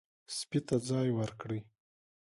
سپي ته ځای ورکړئ.